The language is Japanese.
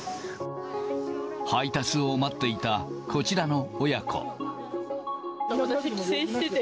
配達を待っていたこちらの親私、帰省してて。